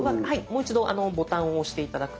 もう一度ボタンを押して頂くと。